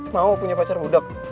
mau punya pacar budak